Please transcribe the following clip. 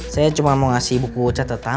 saya cuma mau ngasih buku catatan